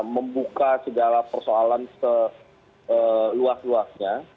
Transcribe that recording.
membuka segala persoalan seluas luasnya